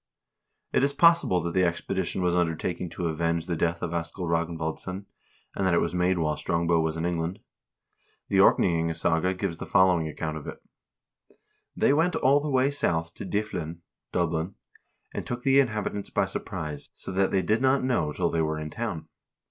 It is possible that the expedition was undertaken to avenge the death of Askell Ragnvaldsson, and that it was made while Strong bow was in England. The " Orkneyingasaga " gives the following ac count of it : "They went all the way south to Dyflin (Dublin), and took the inhabitants by surprise, so that they did not know till they were in town.